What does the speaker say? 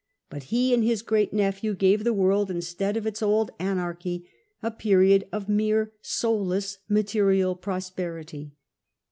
But he and liia great nephew gave the world, instead of its old anai'chy, a period of mere soulless material prosperity.